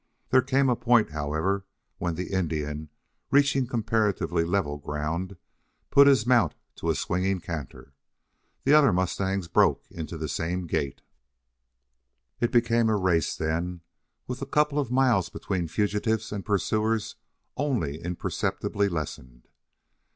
There came a point, however, when the Indian, reaching comparatively level ground, put his mount to a swinging canter. The other mustangs broke into the same gait. It became a race then, with the couple of miles between fugitives and pursuers only imperceptibly lessened.